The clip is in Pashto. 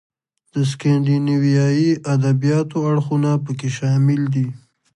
د سکینډینیویايي ادبیاتو اړخونه پکې شامل دي.